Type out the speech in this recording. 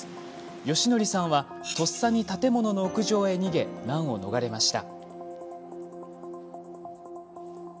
芳徳さんは、とっさに建物の屋上へ逃げ難を逃れました。